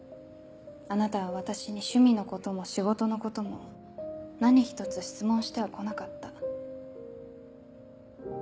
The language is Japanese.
あなたは私に趣味のことも仕事のことも何一つ質問しては来なかった。